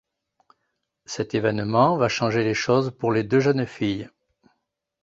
Cet événement va changer les choses pour les deux jeunes filles.